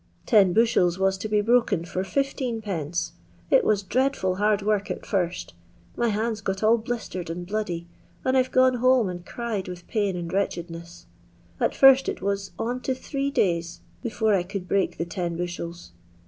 Ten buahela waa to be broken fer 15d. It waa dreadful hard work at first My hands got all blistered and bloody, and I*ve gone home and cried with pain and wretchedness. At first it was on to three days before I could break the ten bushels.